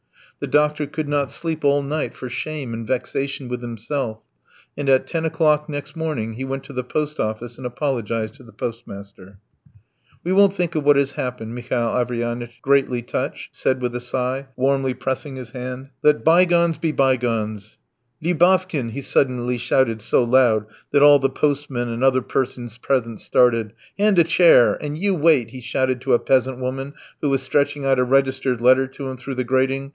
The doctor could not sleep all night for shame and vexation with himself, and at ten o'clock next morning he went to the post office and apologized to the postmaster. "We won't think again of what has happened," Mihail Averyanitch, greatly touched, said with a sigh, warmly pressing his hand. "Let bygones be bygones. Lyubavkin," he suddenly shouted so loud that all the postmen and other persons present started, "hand a chair; and you wait," he shouted to a peasant woman who was stretching out a registered letter to him through the grating.